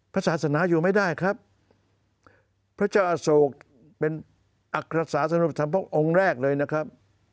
พระศาสนาอยู่ไม่ได้ครับพระเจ้าอโศกเป็นอัครสาสำหรับธรรมพระองค์แรกเลยนะครับ